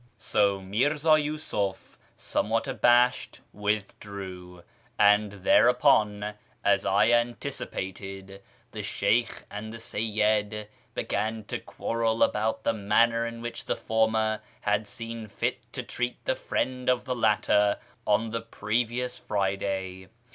" So Mirza Yiisuf, somewhat abashed, withdrew ; and there upon, as I anticipated, the Sheykh and the Seyyid began to quarrel about the manner in which the former had seen fit to treat the friend of the latter on the previous Friday.